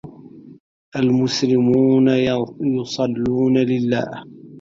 المسلمون يصلّون لله.